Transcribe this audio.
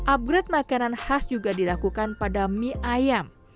upgrade makanan khas juga dilakukan pada mie ayam